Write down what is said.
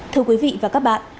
thưa quý vị và các bạn